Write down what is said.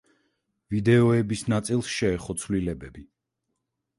ვიდეოების ნაწილს შეეხო ცვლილებები.